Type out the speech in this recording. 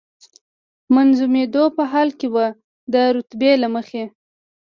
منظمېدو په حال کې و، د رتبې له مخې.